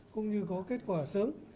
cũng như có kết quả sớm